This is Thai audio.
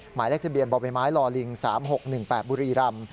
หมายเลขทะเบียนบ่อใบไม้ลอลิง๓๖๑๘บุรีรำ